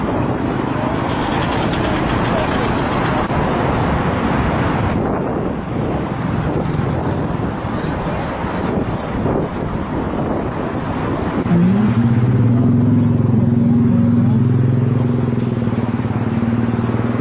พื่อกรรตนขันไทย